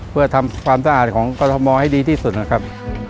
เพื่อทำความสะอาดของกรทมให้ดีที่สุดนะครับ